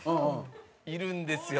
いるんですよ。